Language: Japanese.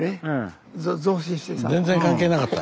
全然関係なかった。